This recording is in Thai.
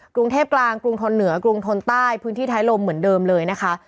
กรุงเทพกลางกรุงทนเหนือกรุงทนใต้พื้นที่ท้ายลมเหมือนเดิมเลยนะคะ